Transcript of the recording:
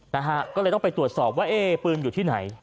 นะฮะก็เลยต้องไปตรวจสอบว่าเอ๊ปืนอยู่ที่ไหน